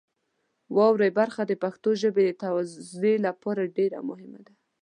د واورئ برخه د پښتو ژبې د توزیع لپاره ډېره مهمه ده.